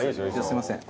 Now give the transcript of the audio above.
すいません